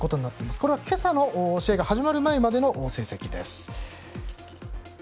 これは今朝の試合が始まる前までの成績です。